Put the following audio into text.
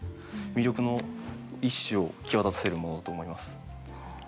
魅力の一首を際立たせるものだと思います。